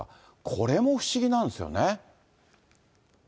これも不思議なんですよね。